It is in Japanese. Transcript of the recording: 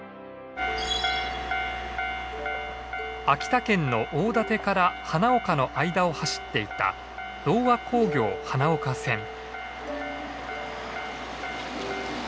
秋田県の大館から花岡の間を走っていた同和鉱業花岡線。